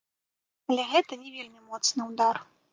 Але гэта не вельмі моцны ўдар.